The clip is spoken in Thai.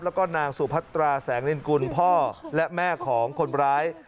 แล้วก็นางสุพัตราแสงนินกุลพ่อและแม่ของคนร้าย